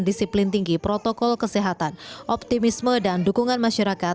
disiplin tinggi protokol kesehatan optimisme dan dukungan masyarakat